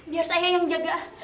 biar saya yang jaga